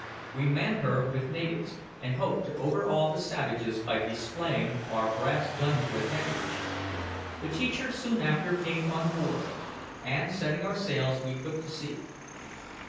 We manned her with natives, and hoped to overawe the savages by displaying our brass gun to advantage. The teacher soon after came on board, and setting our sails, we put to sea.